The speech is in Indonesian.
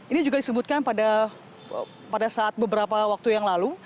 ini juga disebutkan pada saat beberapa waktu yang lalu